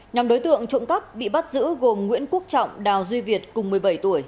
nhóm đối tượng trộm cắp bị bắt giữ gồm nguyễn quốc trọng đào duy việt cùng một mươi bảy tuổi